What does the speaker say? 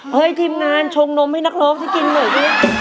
เฮ้ยทีมงานชงนมให้นักร้องที่กินเหนื่อย